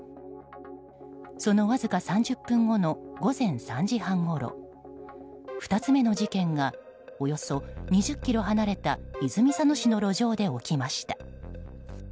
そのわずか３０分後の午前３時半ごろ２つ目の事件がおよそ２０ｋｍ離れた泉佐野市の路上で起きました。